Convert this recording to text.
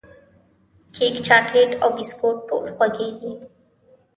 کیک، چاکلېټ او بسکوټ ټول خوږې دي.